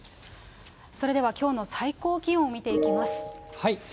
それではきょうの最高気温、見ていきます。